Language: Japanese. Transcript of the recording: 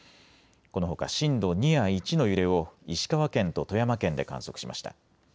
このほか、震度２や１の揺れを石川県と富山県で観測しました。